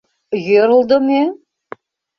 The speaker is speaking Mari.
— "Йӧрлдымӧ"?